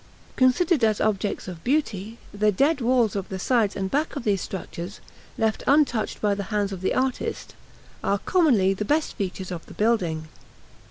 Considered as objects of beauty, the dead walls of the sides and back of these structures, left untouched by the hands of the artist, are commonly the best feature of the building.